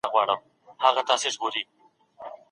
ساحوي څېړنه ډېر مالي امکانات غواړي.